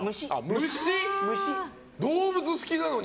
動物好きなのに？